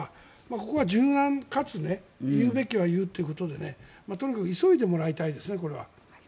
そこは柔軟かつ言うべきは言うということでとにかく急いでもらいたいですね。